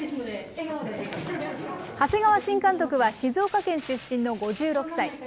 長谷川新監督は静岡県出身の５６歳。